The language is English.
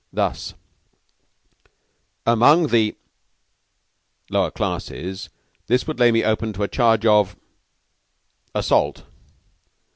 Thus: "Among the lower classes this would lay me open to a charge of assault.